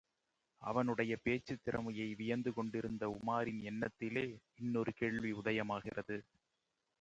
அவனுடைய பேச்சுத் திறமையை வியந்து கொண்டிருந்த உமாரின் எண்ணத்திலே, இன்னொரு கேள்வி உதயமாகியது.